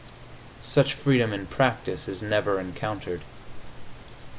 Such freedom, in practise, is never encountered.